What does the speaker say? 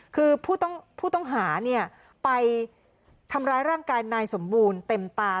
คือผู้ต้องหาเนี่ยไปทำร้ายร่างกายนายสมบูรณ์เต็มตา